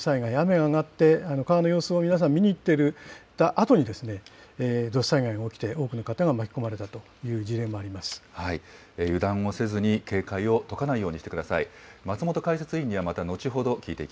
雨が上がって川の様子を皆さん見に行ったあとに、土砂災害が起きて、多くの方が巻き込まれ油断をせずに、警戒を解かないようにしてください。